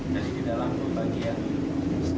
jadi di dalam bagian